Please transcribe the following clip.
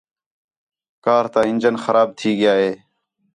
کار تا انجن خراب تھی ڳیا ہے